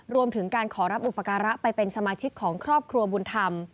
รวมถึงการขอรับอุปการะไปเป็นสมาชิกของครอบครัวบุญธรรม